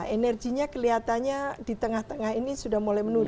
energinya kelihatannya di tengah tengah ini sudah mulai menurun